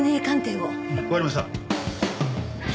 わかりました。